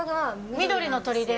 緑の鳥です。